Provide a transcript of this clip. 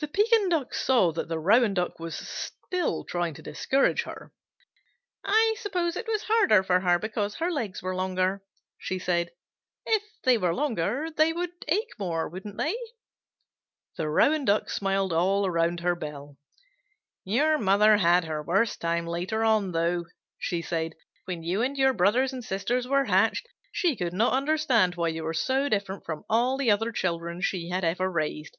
The Pekin Duck saw that the Rouen Duck was still trying to discourage her. "I suppose it was harder for her because her legs were longer," she said. "If they were longer they would ache more, wouldn't they?" The Rouen Duck smiled all around her bill "Your mother had her worst time later on, though," she said. "When you and your brothers and sisters were hatched, she could not understand why you were so different from all the other children she had ever raised.